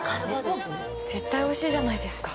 絶対おいしいじゃないですか。